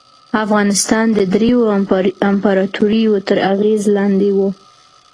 افغانستان د دریو امپراطوریو تر اغېز لاندې و.